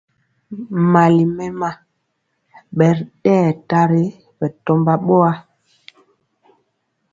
Mali mɛma bɛ ri dɛyɛ tari bɛ tɔmba boa.